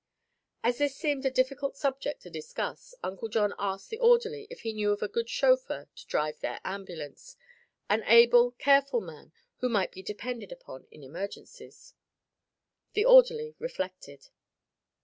As this seemed a difficult subject to discuss, Uncle John asked the orderly if he knew of a good chauffeur to drive their ambulance an able, careful man who might be depended upon in emergencies. The orderly reflected.